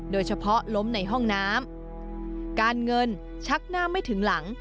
โดยเฉพาะล้มในห้องน้ำการเงินชักหน้าไม่ถึงหลัง